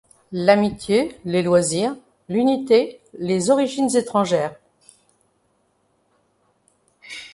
L'amitié, les loisirs, l'unité, les origines étrangères.